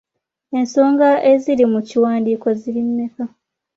Ensonga eziri mu kiwandiiko ziri mmeka?